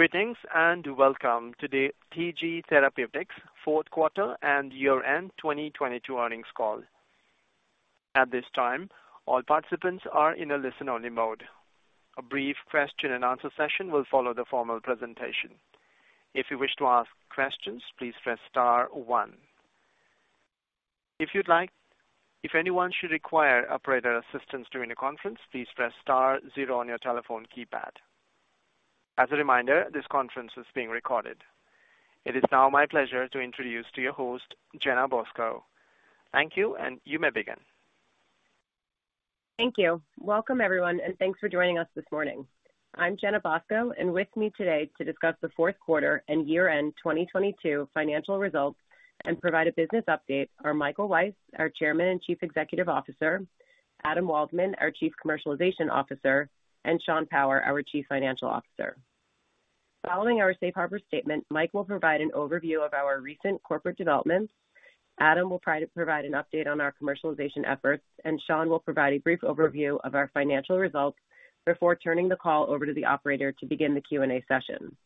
Greetings, welcome to the TG Therapeutics Fourth Quarter and Year-End 2022 Earnings Call. At this time, all participants are in a listen-only mode. A brief question and answer session will follow the formal presentation. If you wish to ask questions, please press star 1. If anyone should require operator assistance during the conference, please press star 0 on your telephone keypad. As a reminder, this conference is being recorded. It is now my pleasure to introduce to you your host, Jenna Bosco. Thank you. You may begin. Thank you. Welcome, everyone, and thanks for joining us this morning. I'm Jenna Bosco, and with me today to discuss the fourth quarter and year-end 2022 financial results and provide a business update are Michael Weiss, our Chairman and Chief Executive Officer, Adam Waldman, our Chief Commercialization Officer, and Sean Power, our Chief Financial Officer. Following our safe harbor statement, Mike will provide an overview of our recent corporate developments. Adam will provide an update on our commercialization efforts, and Sean will provide a brief overview of our financial results before turning the call over to the operator to begin the Q&A session.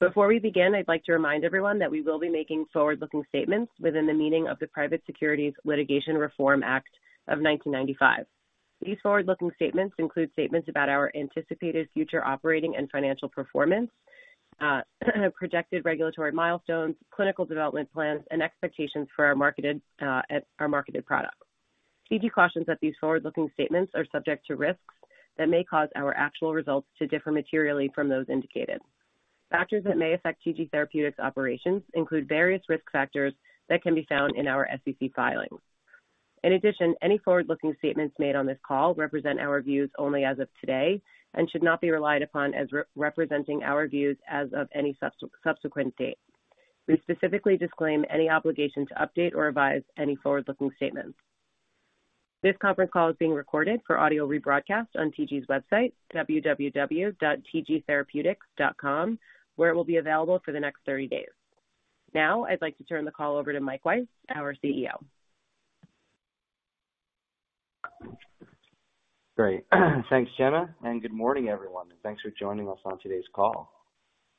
Before we begin, I'd like to remind everyone that we will be making forward-looking statements within the meaning of the Private Securities Litigation Reform Act of 1995. These forward-looking statements include statements about our anticipated future operating and financial performance, projected regulatory milestones, clinical development plans, and expectations for our marketed, our marketed product. TG cautions that these forward-looking statements are subject to risks that may cause our actual results to differ materially from those indicated. Factors that may affect TG Therapeutics operations include various risk factors that can be found in our SEC filings. In addition, any forward-looking statements made on this call represent our views only as of today and should not be relied upon as representing our views as of any subsequent date. We specifically disclaim any obligation to update or revise any forward-looking statements. This conference call is being recorded for audio rebroadcast on TG's website, www.tgtherapeutics.com, where it will be available for the next 30 days. Now, I'd like to turn the call over to Mike Weiss, our CEO. Great. Thanks, Jenna, and good morning, everyone, and thanks for joining us on today's call.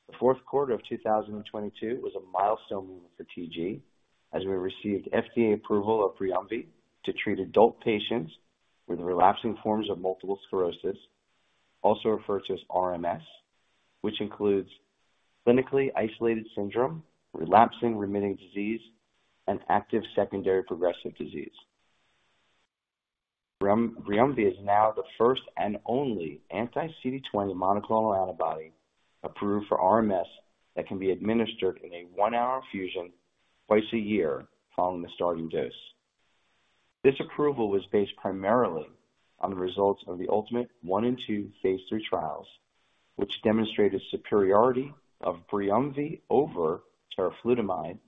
The fourth quarter of 2022 was a milestone win for TG as we received FDA approval of BRIUMVI to treat adult patients with relapsing forms of multiple sclerosis, also referred to as RMS, which includes clinically isolated syndrome, relapsing-remitting disease, and active secondary progressive disease. BRIUMVI is now the first and only anti-CD20 monoclonal antibody approved for RMS that can be administered in a one-hour infusion twice a year following the starting dose. This approval was based primarily on the results of the ULTIMATE I and II Phase III trials, which demonstrated superiority of BRIUMVI over teriflunomide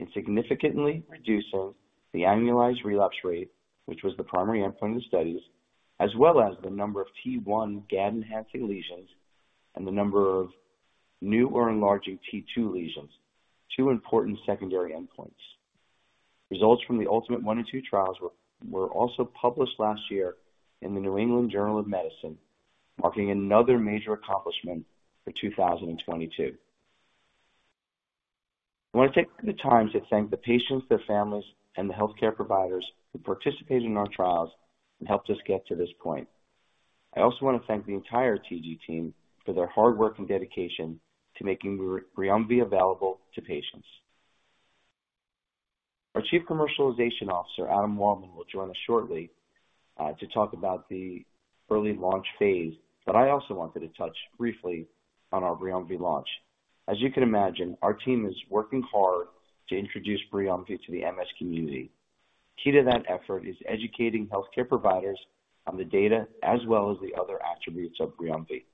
in significantly reducing the annualized relapse rate, which was the primary endpoint of the studies, as well as the number of T1 gadolinium-enhancing lesions and the number of new or enlarging T2 lesions, two important secondary endpoints. Results from the ULTIMATE I and II trials were also published last year in The New England Journal of Medicine, marking another major accomplishment for 2022. I want to take the time to thank the patients, their families, and the healthcare providers who participated in our trials and helped us get to this point. I also want to thank the entire TG team for their hard work and dedication to making BRIUMVI available to patients. Our Chief Commercialization Officer, Adam Waldman, will join us shortly to talk about the early launch phase. I also wanted to touch briefly on our BRIUMVI launch. As you can imagine, our team is working hard to introduce BRIUMVI to the MS community. Key to that effort is educating healthcare providers on the data as well as the other attributes of BRIUMVI.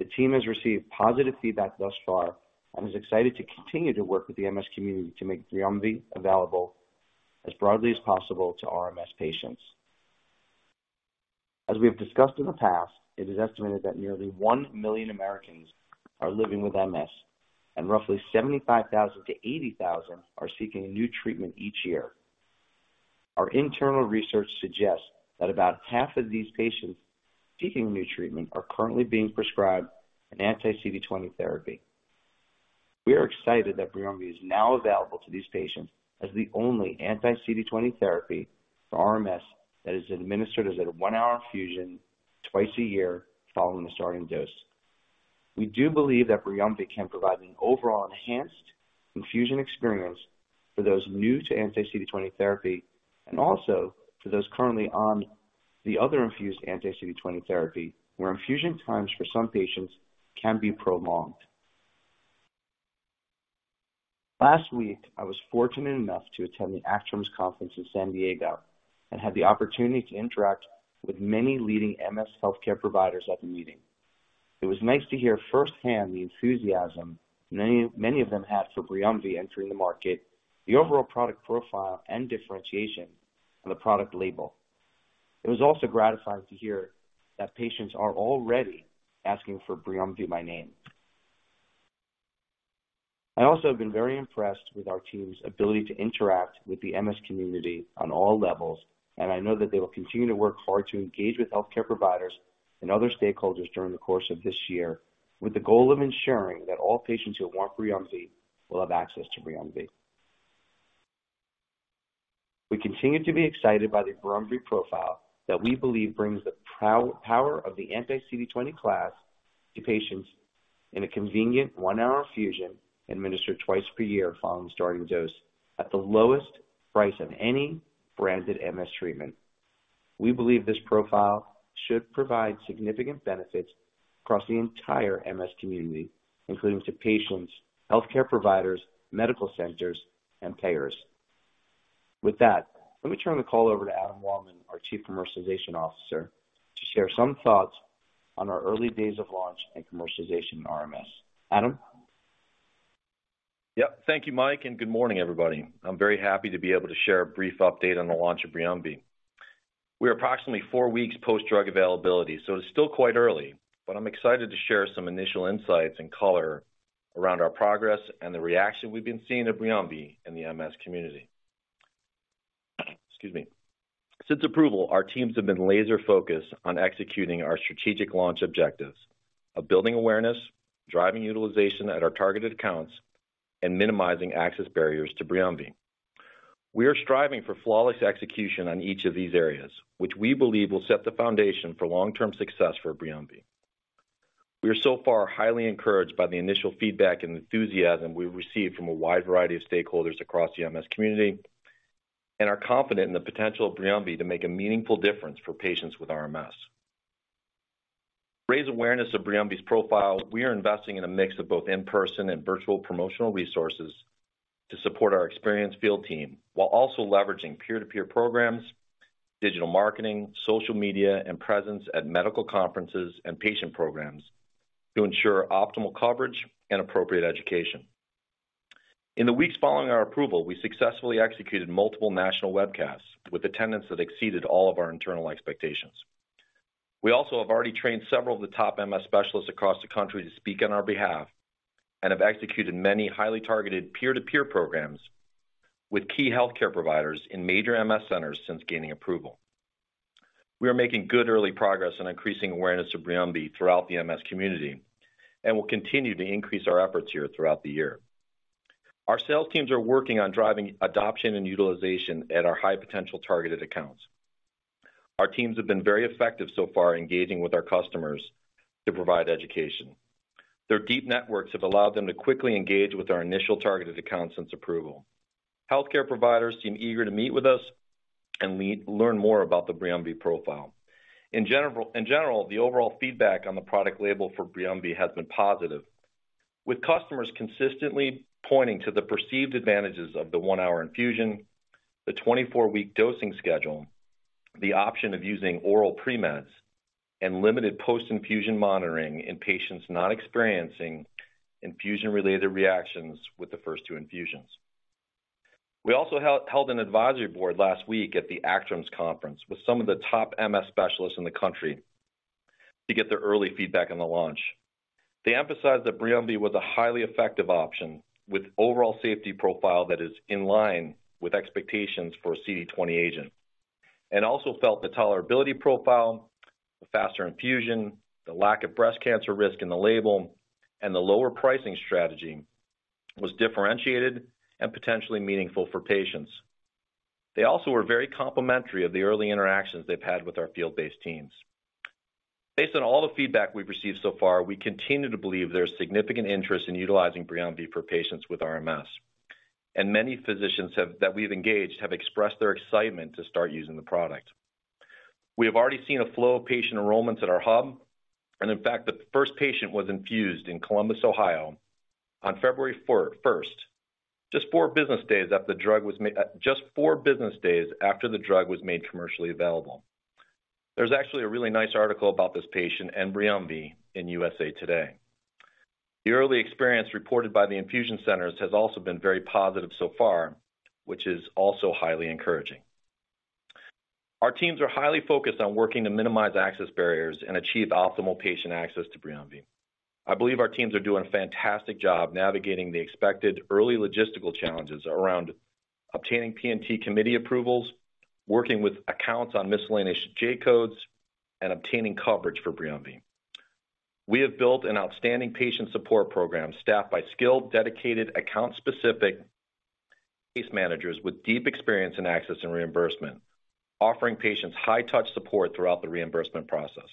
The team has received positive feedback thus far and is excited to continue to work with the MS community to make BRIUMVI available as broadly as possible to RMS patients. As we have discussed in the past, it is estimated that nearly 1 million Americans are living with MS, and roughly 75,000-80,000 are seeking new treatment each year. Our internal research suggests that about half of these patients seeking new treatment are currently being prescribed an anti-CD20 therapy. We are excited that BRIUMVI is now available to these patients as the only anti-CD20 therapy for RMS that is administered as a one-hour infusion twice a year following the starting dose. We do believe that BRIUMVI can provide an overall enhanced infusion experience for those new to anti-CD20 therapy and also to those currently on the other infused anti-CD20 therapy, where infusion times for some patients can be prolonged. Last week, I was fortunate enough to attend the ACTRIMS conference in San Diego and had the opportunity to interact with many leading MS healthcare providers at the meeting. It was nice to hear firsthand the enthusiasm many of them had for BRIUMVI entering the market, the overall product profile and differentiation of the product label. It was also gratifying to hear that patients are already asking for BRIUMVI by name. I also have been very impressed with our team's ability to interact with the MS community on all levels, and I know that they will continue to work hard to engage with healthcare providers and other stakeholders during the course of this year with the goal of ensuring that all patients who want BRIUMVI will have access to BRIUMVI. We continue to be excited by the BRIUMVI profile that we believe brings the power of the anti-CD20 class to patients in a convenient one-hour infusion administered twice per year following starting dose at the lowest price of any branded MS treatment. We believe this profile should provide significant benefits across the entire MS community, including to patients, healthcare providers, medical centers, and payers. With that, let me turn the call over to Adam Waldman, our Chief Commercialization Officer, to share some thoughts on our early days of launch and commercialization in RMS. Adam? Yep. Thank you, Mike. Good morning, everybody. I'm very happy to be able to share a brief update on the launch of BRIUMVI. We're approximately four weeks post-drug availability. It's still quite early. I'm excited to share some initial insights and color around our progress and the reaction we've been seeing of BRIUMVI in the MS community. Excuse me. Since approval, our teams have been laser-focused on executing our strategic launch objectives of building awareness, driving utilization at our targeted accounts, and minimizing access barriers to BRIUMVI. We are striving for flawless execution on each of these areas, which we believe will set the foundation for long-term success for BRIUMVI. We are so far highly encouraged by the initial feedback and enthusiasm we've received from a wide variety of stakeholders across the MS community and are confident in the potential of BRIUMVI to make a meaningful difference for patients with RMS. Raise awareness of BRIUMVI's profile, we are investing in a mix of both in-person and virtual promotional resources to support our experienced field team, while also leveraging peer-to-peer programs, digital marketing, social media, and presence at medical conferences and patient programs to ensure optimal coverage and appropriate education. In the weeks following our approval, we successfully executed multiple national webcasts with attendance that exceeded all of our internal expectations. We also have already trained several of the top MS specialists across the country to speak on our behalf and have executed many highly targeted peer-to-peer programs with key healthcare providers in major MS centers since gaining approval. We are making good early progress on increasing awareness of BRIUMVI throughout the MS community and will continue to increase our efforts here throughout the year. Our sales teams are working on driving adoption and utilization at our high-potential targeted accounts. Our teams have been very effective so far engaging with our customers to provide education. Their deep networks have allowed them to quickly engage with our initial targeted accounts since approval. Healthcare providers seem eager to meet with us and learn more about the BRIUMVI profile. In general, the overall feedback on the product label for BRIUMVI has been positive, with customers consistently pointing to the perceived advantages of the one-hour infusion, the 24-week dosing schedule, the option of using oral pre-meds, and limited post-infusion monitoring in patients not experiencing infusion-related reactions with the first two infusions. We also held an advisory board last week at the ACTRIMS conference with some of the top MS specialists in the country to get their early feedback on the launch. They emphasized that BRIUMVI was a highly effective option with overall safety profile that is in line with expectations for a CD20 agent, and also felt the tolerability profile, the faster infusion, the lack of breast cancer risk in the label, and the lower pricing strategy was differentiated and potentially meaningful for patients. They also were very complimentary of the early interactions they've had with our field-based teams. Based on all the feedback we've received so far, we continue to believe there's significant interest in utilizing BRIUMVI for patients with RMS. Many physicians that we've engaged have expressed their excitement to start using the product. We have already seen a flow of patient enrollments at our hub, and in fact, the first patient was infused in Columbus, Ohio on February first, just four business days after the drug was made commercially available. There's actually a really nice article about this patient and BRIUMVI in USA Today. The early experience reported by the infusion centers has also been very positive so far, which is also highly encouraging. Our teams are highly focused on working to minimize access barriers and achieve optimal patient access to BRIUMVI. I believe our teams are doing a fantastic job navigating the expected early logistical challenges around obtaining P&T committee approvals, working with accounts on miscellaneous J-codes, and obtaining coverage for BRIUMVI. We have built an outstanding patient support program staffed by skilled, dedicated, account-specific case managers with deep experience in access and reimbursement, offering patients high-touch support throughout the reimbursement process.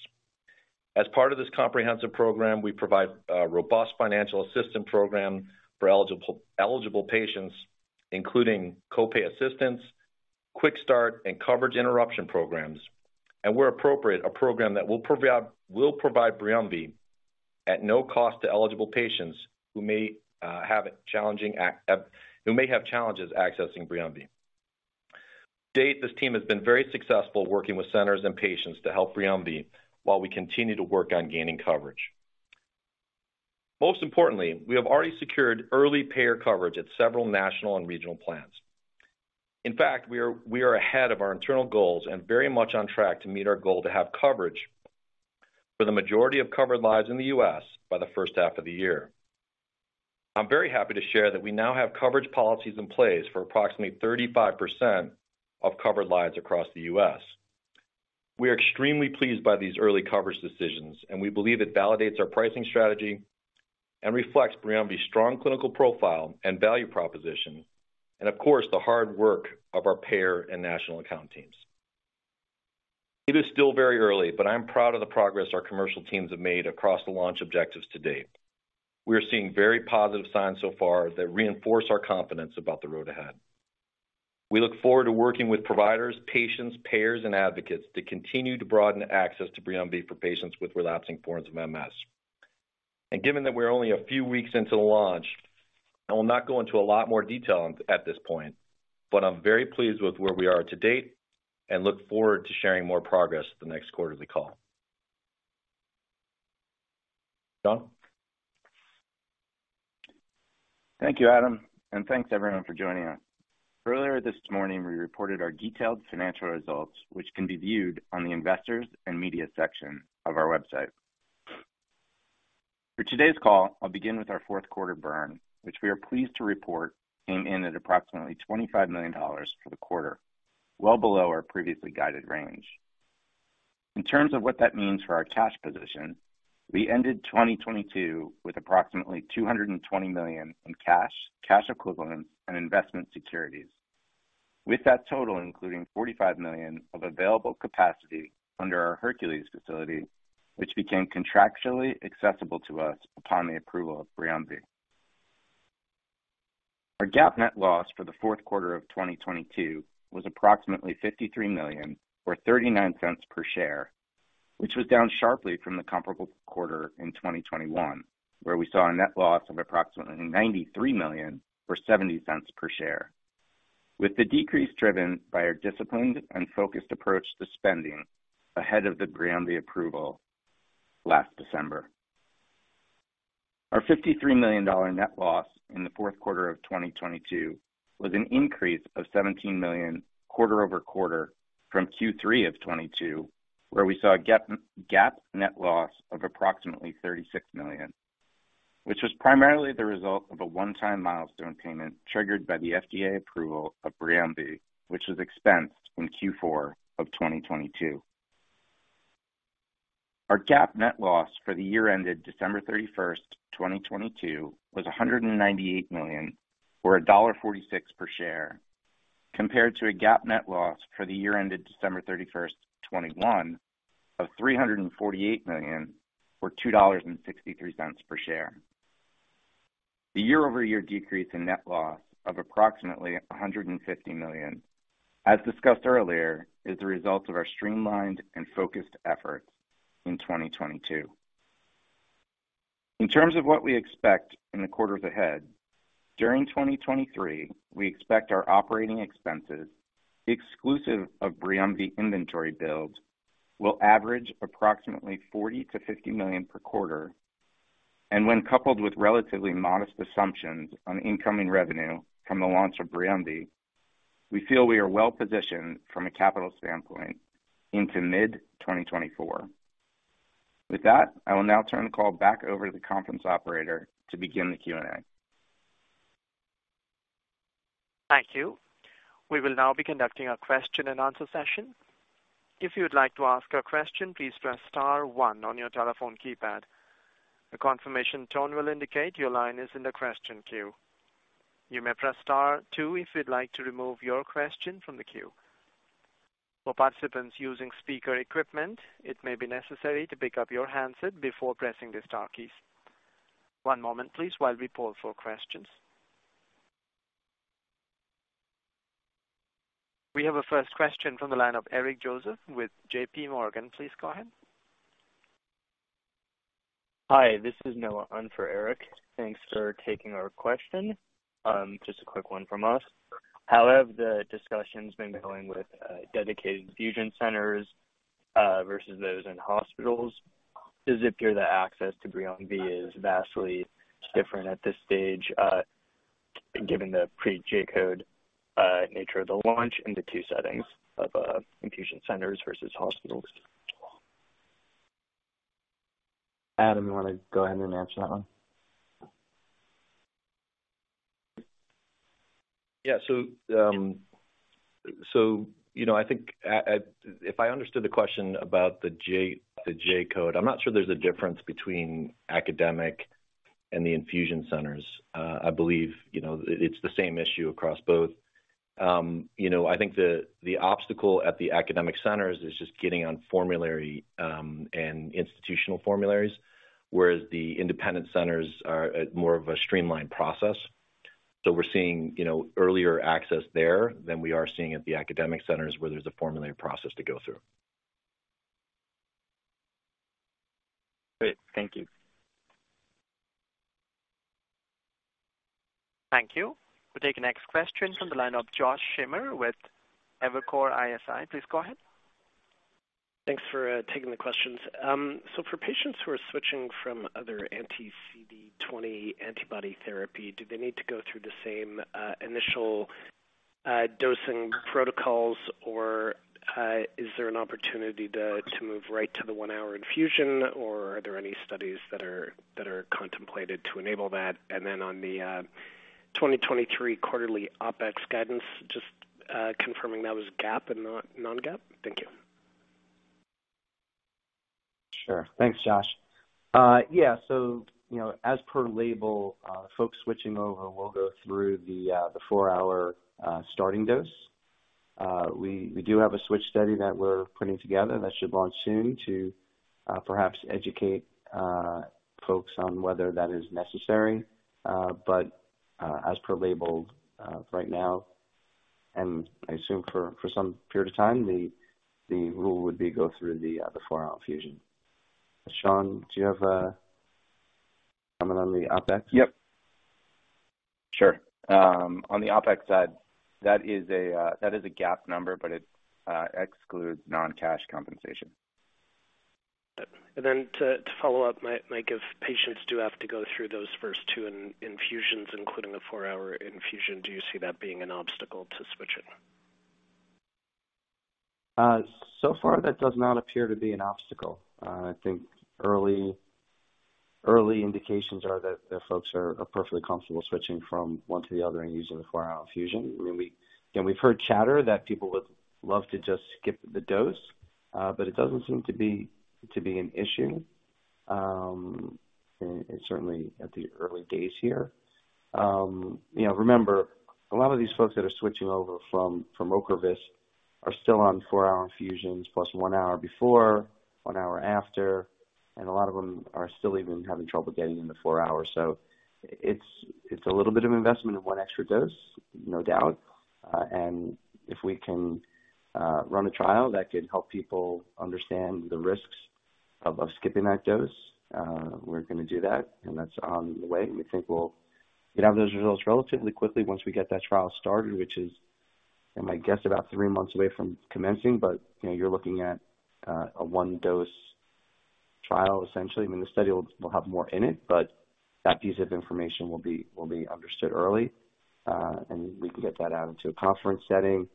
As part of this comprehensive program, we provide a robust financial assistance program for eligible patients, including co-pay assistance, quick start, and coverage interruption programs. Where appropriate, a program that will provide BRIUMVI at no cost to eligible patients who may have challenges accessing BRIUMVI. To date, this team has been very successful working with centers and patients to help BRIUMVI while we continue to work on gaining coverage. Most importantly, we have already secured early payer coverage at several national and regional plans. In fact, we are ahead of our internal goals and very much on track to meet our goal to have coverage for the majority of covered lives in the U.S. by the first half of the year. I'm very happy to share that we now have coverage policies in place for approximately 35% of covered lives across the U.S. We are extremely pleased by these early coverage decisions, and we believe it validates our pricing strategy and reflects BRIUMVI's strong clinical profile and value proposition, and of course, the hard work of our payer and national account teams. It is still very early, but I'm proud of the progress our commercial teams have made across the launch objectives to date. We are seeing very positive signs so far that reinforce our confidence about the road ahead. We look forward to working with providers, patients, payers and advocates to continue to broaden access to BRIUMVI for patients with relapsing forms of MS. Given that we're only a few weeks into the launch, I will not go into a lot more detail at this point, but I'm very pleased with where we are to date and look forward to sharing more progress at the next quarterly call. Sean? Thank you, Adam, and thanks everyone for joining us. Earlier this morning, we reported our detailed financial results, which can be viewed on the Investors and Media section of our website. For today's call, I'll begin with our fourth quarter burn, which we are pleased to report came in at approximately $25 million for the quarter, well below our previously guided range. In terms of what that means for our cash position, we ended 2022 with approximately $220 million in cash equivalents and investment securities. With that total including $45 million of available capacity under our Hercules facility, which became contractually accessible to us upon the approval of BRIUMVI. Our GAAP net loss for the fourth quarter of 2022 was approximately $53 million, or $0.39 per share, which was down sharply from the comparable quarter in 2021, where we saw a net loss of approximately $93 million or $0.70 per share. The decrease driven by our disciplined and focused approach to spending ahead of the BRIUMVI approval last December. Our $53 million net loss in the fourth quarter of 2022 was an increase of $17 million quarter-over-quarter from Q3 of 2022, where we saw a GAAP net loss of approximately $36 million, which was primarily the result of a one-time milestone payment triggered by the FDA approval of BRIUMVI, which was expensed in Q4 of 2022. Our GAAP net loss for the year ended December 31st, 2022 was $198 million or $1.46 per share, compared to a GAAP net loss for the year ended December 31st, 2021 of $348 million or $2.63 per share. The year-over-year decrease in net loss of approximately $150 million, as discussed earlier, is the result of our streamlined and focused efforts in 2022. In terms of what we expect in the quarters ahead, during 2023, we expect our operating expenses exclusive of BRIUMVI inventory build will average approximately $40 million-$50 million per quarter. When coupled with relatively modest assumptions on incoming revenue from the launch of BRIUMVI, we feel we are well positioned from a capital standpoint into mid-2024. With that, I will now turn the call back over to the conference operator to begin the Q&A. Thank you. We will now be conducting a question-and-answer session. If you would like to ask a question, please press star 1 on your telephone keypad. A confirmation tone will indicate your line is in the question queue. You may press star 2 if you'd like to remove your question from the queue. For participants using speaker equipment, it may be necessary to pick up your handset before pressing the star keys. One moment please while we poll for questions. We have a first question from the line of Eric Joseph with JPMorgan. Please go ahead. Hi, this is Noah on for Eric. Thanks for taking our question. Just a quick one from us. How have the discussions been going with dedicated infusion centers versus those in hospitals? Does it appear that access to BRIUMVI is vastly different at this stage, given the pre-J-code nature of the launch in the two settings of infusion centers versus hospitals? Adam, you want to go ahead and answer that one? Yeah. You know, I think at if I understood the question about the J-code, I'm not sure there's a difference between academic and the infusion centers. I believe, you know, it's the same issue across both. You know, I think the obstacle at the academic centers is just getting on formulary, and institutional formularies, whereas the independent centers are at more of a streamlined process. We're seeing, you know, earlier access there than we are seeing at the academic centers where there's a formulary process to go through. Great. Thank you. Thank you. We'll take the next question from the line of Joshua Schimmer with Evercore ISI. Please go ahead. Thanks for taking the questions. For patients who are switching from other anti-CD20 antibody therapy, do they need to go through the same initial dosing protocols or is there an opportunity to move right to the one-hour infusion or are there any studies that are contemplated to enable that? On the 2023 quarterly OpEx guidance, just confirming that was GAAP and not non-GAAP. Thank you. Sure. Thanks, Josh. Yeah. You know, as per label, folks switching over will go through the four-hour starting dose. We do have a switch study that we're putting together that should launch soon to, perhaps educate, folks on whether that is necessary. As per label, right now, and I assume for some period of time, the rule would be go through the four-hour infusion. Sean, do you have a comment on the OpEx? Yep. Sure. On the OpEx side, that is a GAAP number, but it excludes non-cash compensation. To follow up, Mike, if patients do have to go through those first two infusions, including the four-hour infusion, do you see that being an obstacle to switching? So far that does not appear to be an obstacle. I think early indications are that the folks are perfectly comfortable switching from one to the other and using the four-hour infusion. I mean, and we've heard chatter that people would love to just skip the dose, but it doesn't seem to be an issue. Certainly at the early days here. You know, remember, a lot of these folks that are switching over from Ocrevus are still on four-hour infusions plus one hour before, one hour after, and a lot of them are still even having trouble getting in the four hours. It's a little bit of investment in one extra dose, no doubt. If we can run a trial that could help people understand the risks of skipping that dose, we're gonna do that. That's on the way. We think we'll get out those results relatively quickly once we get that trial started, which is, I guess, about three months away from commencing. You know, you're looking at a one-dose trial, essentially. I mean, the study will have more in it, but that piece of information will be understood early. We can get that out into a conference setting.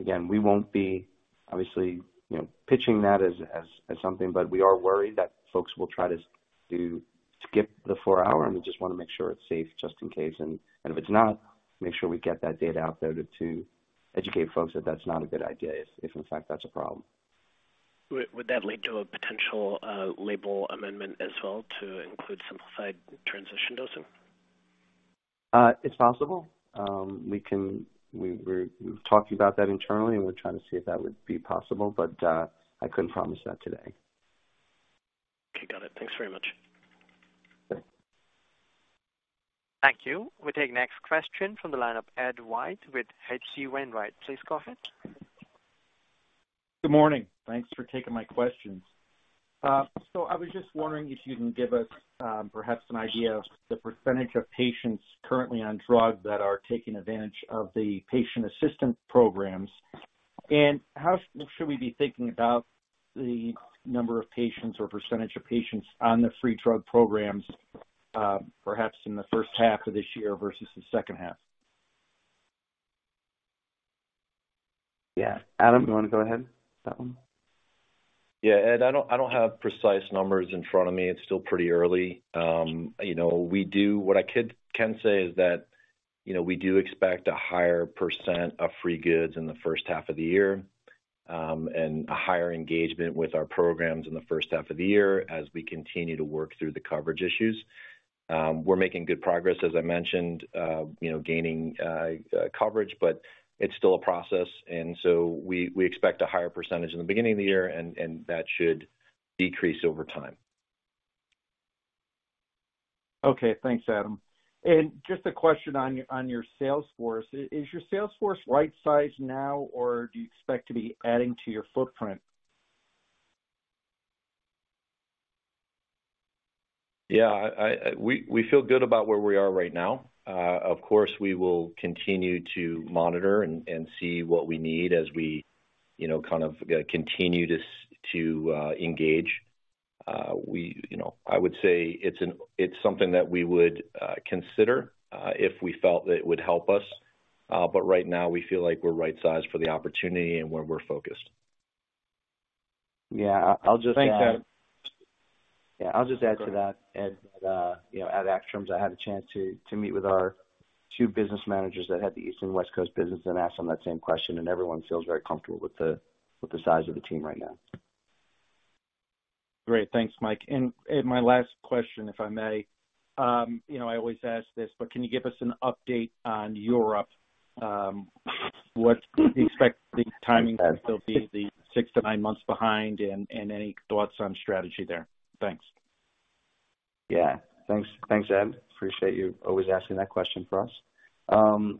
Again, we won't be obviously, you know, pitching that as something, but we are worried that folks will try to skip the four hour, and we just wanna make sure it's safe just in case. If it's not, make sure we get that data out there to educate folks that that's not a good idea if in fact that's a problem. Would that lead to a potential label amendment as well to include simplified transition dosing? It's possible. We're talking about that internally, and we're trying to see if that would be possible, but, I couldn't promise that today. Okay, got it. Thanks very much. Okay. Thank you. We take next question from the line of Ed White with H.C. Wainwright. Please go ahead. Good morning. Thanks for taking my questions. I was just wondering if you can give us perhaps an idea of the percentage of patients currently on drug that are taking advantage of the patient assistance programs. How should we be thinking about the number of patients or percentage of patients on the free drug programs, perhaps in the first half of this year versus the second half? Yeah. Adam, you wanna go ahead with that one? Yeah. Ed, I don't have precise numbers in front of me. It's still pretty early. You know, what I can say is that, you know, we do expect a higher percent of free goods in the first half of the year, a higher engagement with our programs in the first half of the year as we continue to work through the coverage issues. We're making good progress, as I mentioned, you know, gaining coverage, it's still a process. We expect a higher percentage in the beginning of the year, and that should decrease over time. Okay. Thanks, Adam. Just a question on your sales force. Is your sales force right-sized now, or do you expect to be adding to your footprint? Yeah, we feel good about where we are right now. Of course, we will continue to monitor and see what we need as we, you know, kind of continue to engage. We, you know, I would say it's something that we would consider, if we felt that it would help us. Right now, we feel like we're right-sized for the opportunity and where we're focused. Yeah. I'll just - Thanks, Adam. Yeah. I'll just add to that, Ed. You know, at ACTRIMS I had a chance to meet with our two business managers that had the East and West Coast business and ask them that same question. Everyone feels very comfortable with the size of the team right now. Great. Thanks, Mike. My last question, if I may. You know, I always ask this, can you give us an update on Europe? What's the expected timing since they'll be the 6-9 months behind any thoughts on strategy there? Thanks. Thanks, Ed. Appreciate you always asking that question for us.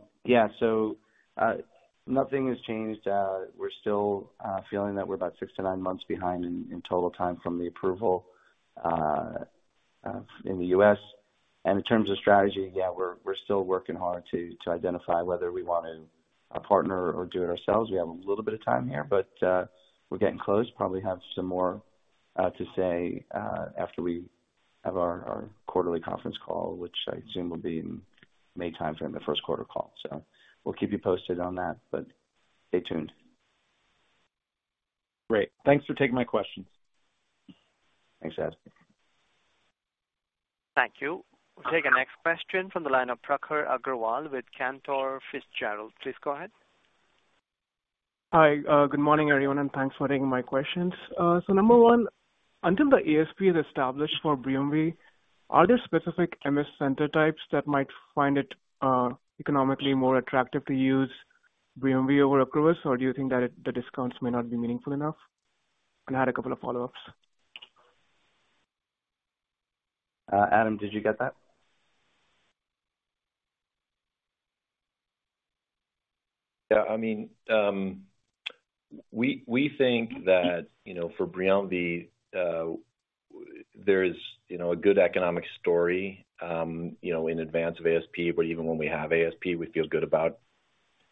Nothing has changed. We're still feeling that we're about 6-9 months behind in total time from the approval in the U.S. In terms of strategy, we're still working hard to identify whether we wanna partner or do it ourselves. We have a little bit of time here, we're getting close. Probably have some more to say after we have our quarterly conference call, which I assume will be in May timeframe, the first quarter call. We'll keep you posted on that, stay tuned. Great. Thanks for taking my question. Thanks, Ed. Thank you. We'll take our next question from the line of Prakhar Agrawal with Cantor Fitzgerald. Please go ahead. Hi, good morning, everyone, and thanks for taking my questions. Number one, until the ASP is established for BRIUMVI, are there specific MS center types that might find it, economically more attractive to use BRIUMVI over Ocrevus, or do you think that the discounts may not be meaningful enough? I had a couple of follow-ups. Adam, did you get that? Yeah. I mean, we think that, you know, for BRIUMVI, there is, you know, a good economic story, you know, in advance of ASP, but even when we have ASP, we feel good about,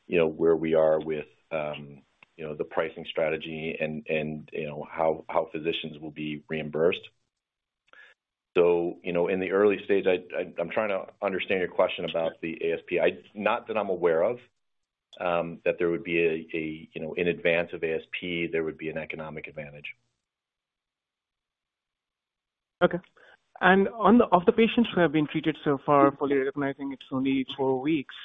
you know, where we are with, you know, the pricing strategy and, you know, how physicians will be reimbursed. You know, in the early stage, I'm trying to understand your question about the ASP. Not that I'm aware of, that there would be a, you know, in advance of ASP, there would be an economic advantage. Okay. Of the patients who have been treated so far, fully recognizing it's only four weeks,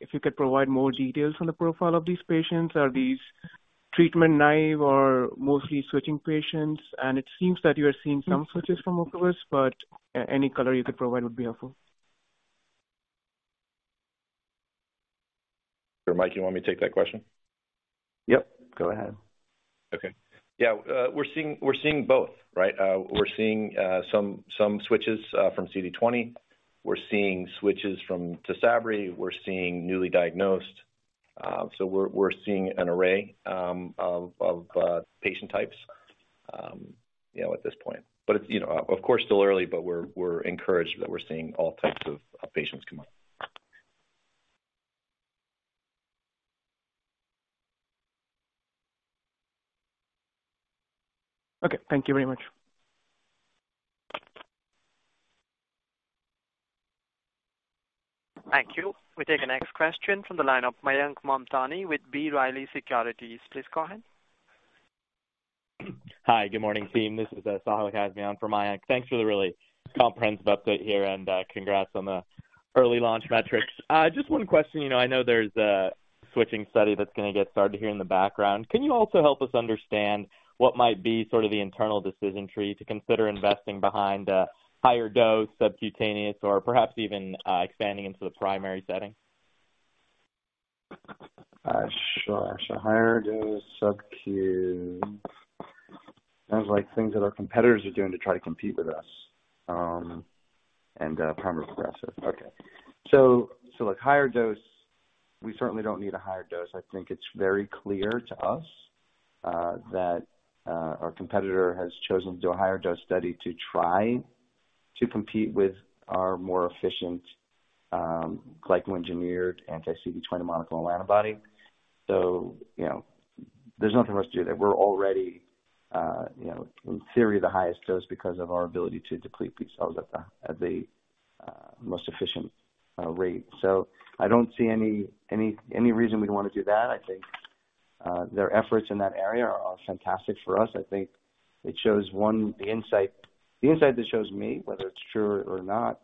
if you could provide more details on the profile of these patients. Are these treatment naive or mostly switching patients? It seems that you are seeing some switches from Ocrevus, but any color you could provide would be helpful. Mike, you want me to take that question? Yep, go ahead. Okay. Yeah. We're seeing both, right? We're seeing some switches from CD20. We're seeing switches from TYSABRI. We're seeing newly diagnosed. We're seeing an array of patient types, you know, at this point. It's, you know, of course, still early, but we're encouraged that we're seeing all types of patients come on. Okay. Thank you very much. Thank you. We take the next question from the line of Mayank Mamtani with B. Riley Securities. Please go ahead. Hi. Good morning, team. This is - Sure. Higher dose subcu. Sounds like things that our competitors are doing to try to compete with us, and primary progressive. Okay. Look, higher dose, we certainly don't need a higher dose. I think it's very clear to us that our competitor has chosen to do a higher dose study to try to compete with our more efficient glycoengineered anti-CD20 monoclonal antibody. You know, there's nothing else to do there. We're already, you know, in theory, the highest dose because of our ability to deplete B cells at the most efficient rate. I don't see any reason we'd wanna do that. I think their efforts in that area are fantastic for us. I think it shows, one, the insight... The insight that shows me, whether it's true or not,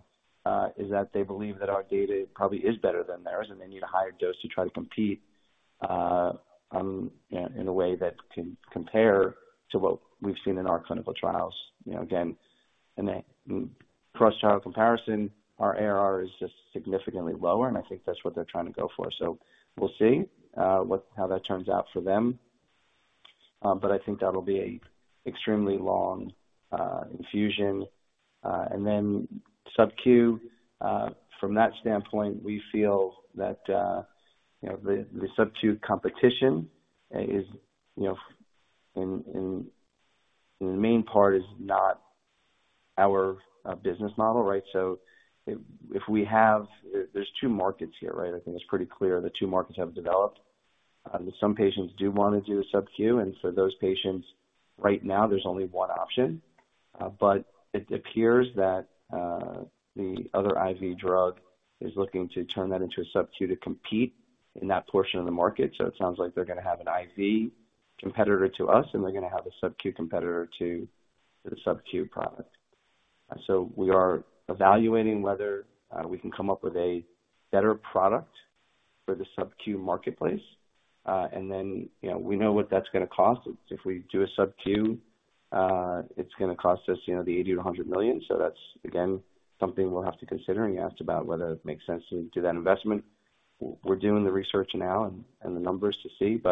is that they believe that our data probably is better than theirs, and they need a higher dose to try to compete, you know, in a way that can compare to what we've seen in our clinical trials. You know, again, in a cross-trial comparison, our ARR is just significantly lower, and I think that's what they're trying to go for. We'll see how that turns out for them. I think that'll be a extremely long infusion. Subcu, from that standpoint, we feel that, you know, the subcu competition is, you know, in the main part is not our business model, right? If we have. There's two markets here, right? I think it's pretty clear the two markets have developed. Some patients do wanna do the subcu. Those patients right now there's only one option. It appears that the other IV drug is looking to turn that into a subcu to compete in that portion of the market. It sounds like they're gonna have an IV competitor to us, and they're gonna have a subcu competitor to the subcu product. We are evaluating whether we can come up with a better product for the subcu marketplace. Then, you know, we know what that's gonna cost. If we do a subcu, it's gonna cost us, you know, the $80 million-$100 million. That's again, something we'll have to consider. You asked about whether it makes sense to do that investment. We're doing the research now and the numbers to see.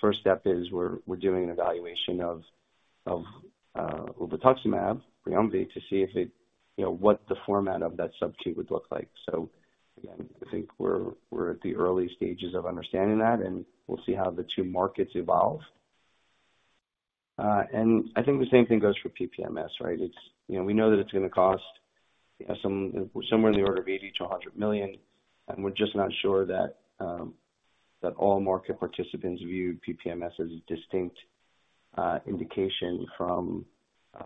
First step is we're doing an evaluation of ublituximab, BRIUMVI, to see what the format of that subcu would look like. Again, I think we're at the early stages of understanding that, and we'll see how the two markets evolve. I think the same thing goes for PPMS, right? You know, we know that it's gonna cost. We have some, somewhere in the order of $80 million-$100 million, and we're just not sure that all market participants view PPMS as a distinct indication from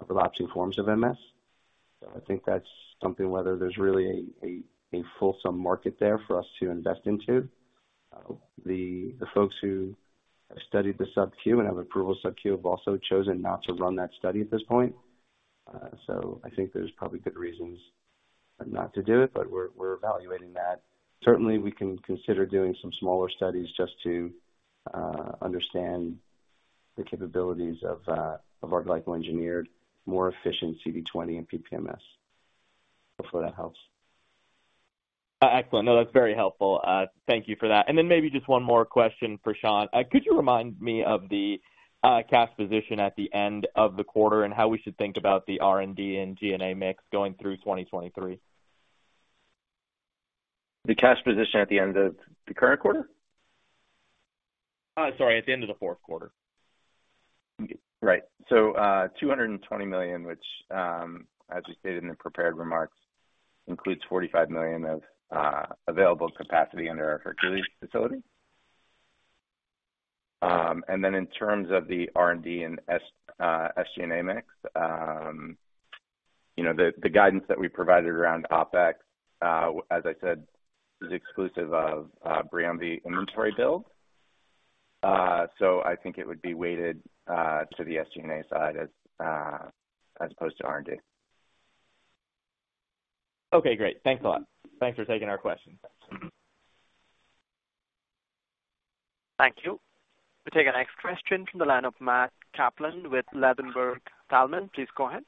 relapsing forms of MS. I think that's something whether there's really a fulsome market there for us to invest into. The folks who have studied the subcu and have approval of subcu have also chosen not to run that study at this point. I think there's probably good reasons not to do it, but we're evaluating that. Certainly, we can consider doing some smaller studies just to understand the capabilities of our glycoengineered, more efficient CD20 in PPMS. Hopefully that helps. Excellent. No, that's very helpful. Thank you for that. Maybe just one more question for Sean. Could you remind me of the cash position at the end of the quarter and how we should think about the R&D and G&A mix going through 2023? The cash position at the end of the current quarter? Sorry, at the end of the fourth quarter. $220 million, which, as we stated in the prepared remarks, includes $45 million of available capacity under our Hercules facility. In terms of the R&D and SG&A mix, you know, the guidance that we provided around OpEx, as I said, is exclusive of BRIUMVI inventory build. I think it would be weighted to the SG&A side as opposed to R&D. Okay, great. Thanks a lot. Thanks for taking our questions. Mm-hmm. Thank you. We'll take our next question from the line of Matthew Kaplan with Ladenburg Thalmann. Please go ahead.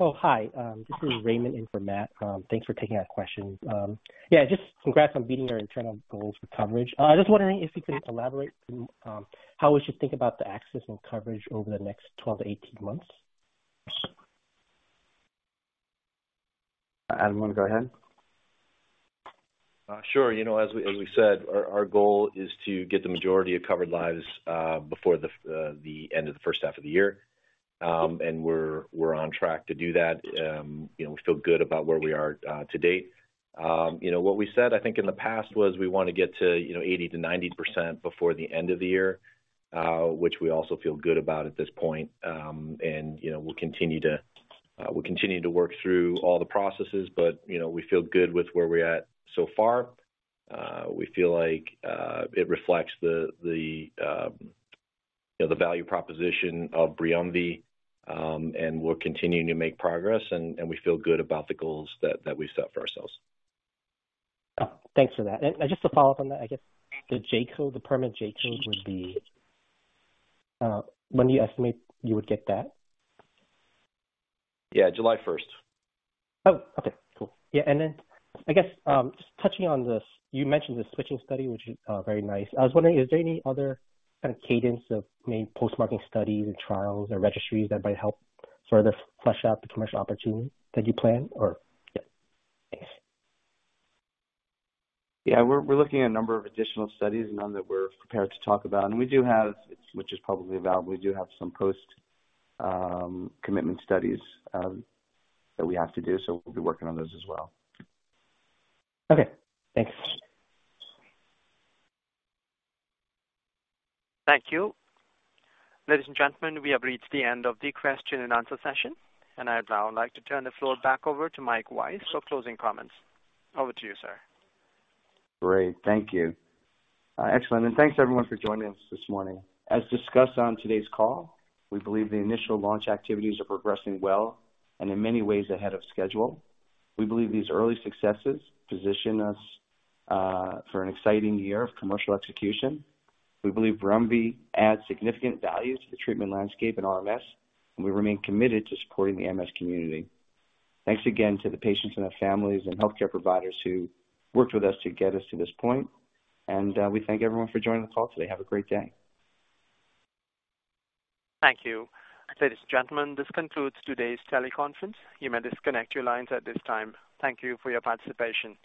Oh, hi. This is Raymond in for Matt. Thanks for taking our question. Congrats on beating your internal goals for coverage. I was wondering if you could elaborate on, how we should think about the access and coverage over the next 12-18 months. Adam, you wanna go ahead? Sure. You know, as we said, our goal is to get the majority of covered lives before the end of the first half of the year. We're on track to do that. You know, we feel good about where we are to date. You know, what we said, I think in the past was we wanna get to, you know, 80%-90% before the end of the year, which we also feel good about at this point. You know, we'll continue to work through all the processes, but, you know, we feel good with where we're at so far. We feel like, it reflects the, you know, the value proposition of BRIUMVI, and we're continuing to make progress and we feel good about the goals that we've set for ourselves. Oh, thanks for that. Just to follow up on that, I guess the J-code, the permanent J-code would be, when do you estimate you would get that? Yeah. July 1st. Oh, okay. Cool. Yeah. I guess, just touching on this, you mentioned the switching study, which is very nice. I was wondering, is there any other kind of cadence of maybe post-marketing studies or trials or registries that might help sort of flesh out the commercial opportunity that you plan or yeah, thanks. Yeah. We're looking at a number of additional studies, none that we're prepared to talk about. We do have, it's, which is publicly available. We do have some post commitment studies that we have to do. We'll be working on those as well. Okay, thanks. Thank you. Ladies and gentlemen, we have reached the end of the question and answer session, and I'd now like to turn the floor back over to Mike Weiss for closing comments. Over to you, sir. Great. Thank you. Excellent. Thanks everyone for joining us this morning. As discussed on today's call, we believe the initial launch activities are progressing well and in many ways ahead of schedule. We believe these early successes position us for an exciting year of commercial execution. We believe BRIUMVI adds significant value to the treatment landscape in RMS, and we remain committed to supporting the MS community. Thanks again to the patients and their families and healthcare providers who worked with us to get us to this point. We thank everyone for joining the call today. Have a great day. Thank you. Ladies and gentlemen, this concludes today's teleconference. You may disconnect your lines at this time. Thank you for your participation.